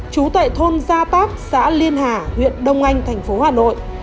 chú tại thôn gia táp xã liên hà huyện đông anh thành phố hà nội